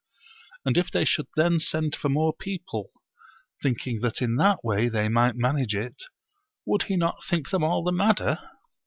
And if they should then send for more people, thinking that in that way they might manage it, would he not think them all the madder?